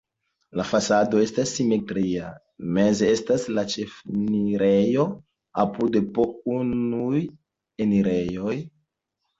La fasado estas simetria, meze estas la ĉefenirejo, apude po unuj enirejoj.